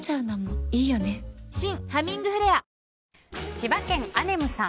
千葉県の方。